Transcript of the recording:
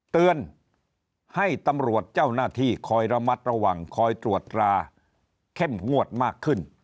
เตือนให้ตำรวจเจ้าหน้าที่คอยระมัดระวังคอยตรวจราเข้มงวดมากขึ้น